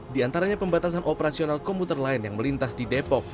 di antaranya pembatasan operasional komputer lain yang melintas di depok